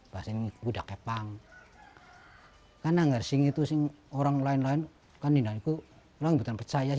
kalau tidak orang lain akan tidak percaya